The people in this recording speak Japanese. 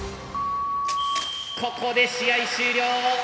ここで試合終了。